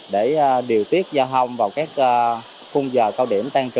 để điều tiết giao thông vào các khung giờ công an